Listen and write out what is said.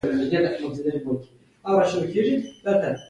ما وويل يه تبه خو مې نه وه.